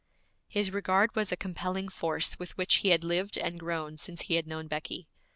His regard was a compelling force with which he had lived and grown since he had known Becky.